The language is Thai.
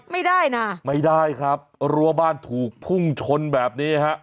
ไม่ได้นะไม่ได้ครับรั้วบ้านถูกพุ่งชนแบบนี้ฮะ